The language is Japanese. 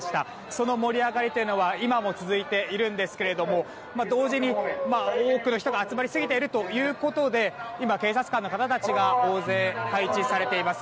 その盛り上がりというのは今も続いているんですが同時に、多くの人が集まりすぎているということで今、警察官の方たちが大勢、配置されています。